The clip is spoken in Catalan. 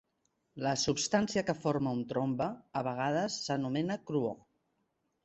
La substància que forma un trombe a vegades s'anomena crúor.